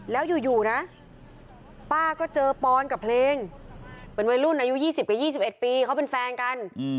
แล้วอยู่นะป้าก็เจอปอนกับเพลงเป็นวัยรุ่นอายุ๒๐กับ๒๑ปีเขาเป็นแฟนกัน